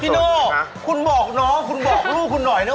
โน่คุณบอกน้องคุณบอกลูกคุณหน่อยนะ